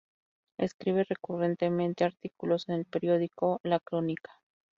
Escribe recurrentemente artículos en el periódico La Crónica.